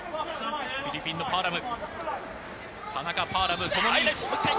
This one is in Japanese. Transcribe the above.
フィリピンのパアラム。